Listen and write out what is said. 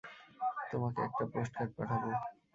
তোমাকে একটা পোস্টকার্ড পাঠাবো।